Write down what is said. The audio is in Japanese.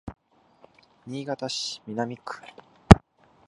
新潟市南区